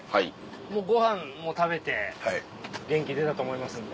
もうご飯も食べて元気出たと思いますんで。